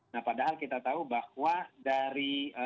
nah padahal kita tahu bahwa dari